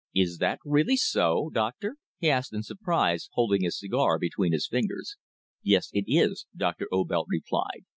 "Is that really so, doctor?" he asked in surprise, holding his cigar between his fingers. "Yes, it is," Doctor Obelt replied.